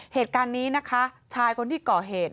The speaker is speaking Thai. เหตุการณ์นี้นะคะชายคนที่ก่อเหตุ